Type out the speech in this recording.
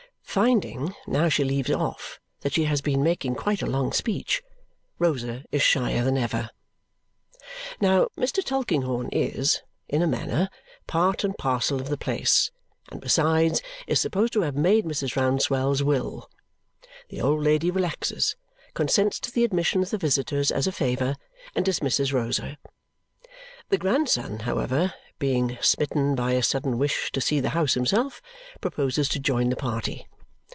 Finding, now she leaves off, that she has been making quite a long speech, Rosa is shyer than ever. Now, Mr. Tulkinghorn is, in a manner, part and parcel of the place, and besides, is supposed to have made Mrs. Rouncewell's will. The old lady relaxes, consents to the admission of the visitors as a favour, and dismisses Rosa. The grandson, however, being smitten by a sudden wish to see the house himself, proposes to join the party.